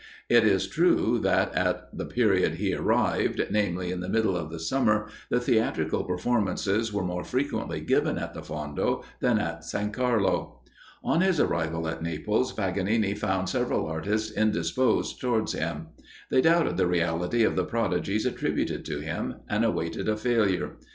It is true that, at the period he arrived namely in the middle of the summer, the theatrical performances are more frequently given at the Fondo than at San Carlo. On his arrival at Naples, Paganini found several artists indisposed towards him. They doubted the reality of the prodigies attributed to him, and awaited a failure.